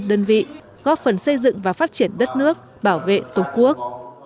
đơn vị góp phần xây dựng và phát triển đất nước bảo vệ tổ quốc